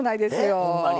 えほんまに。